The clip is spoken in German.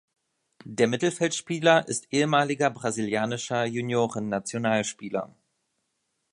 Der Mittelfeldspieler ist ehemaliger brasilianischer Juniorennationalspieler.